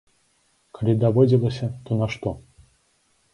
Калі даводзілася, то на што?